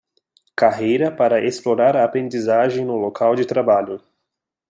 Carreira para explorar a aprendizagem no local de trabalho